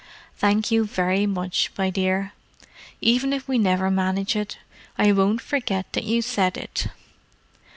"Thank you very much, my dear. Even if we never manage it, I won't forget that you said it!"